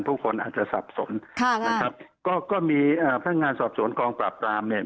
ทุกคนอาจจะสับสนนะครับก็มีพนักงานสอบสวนคลองปราบตามเนี่ย